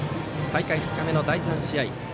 大会２日目の第３試合。